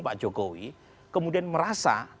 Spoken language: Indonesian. pak jokowi kemudian merasa